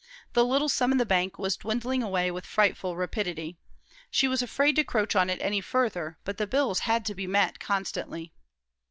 The little sum in the bank was dwindling away with frightful rapidity. She was afraid to encroach on it any further, but the bills had to be met constantly.